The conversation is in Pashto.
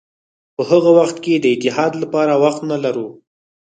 په هغه وخت کې د اتحاد لپاره وخت نه لرو.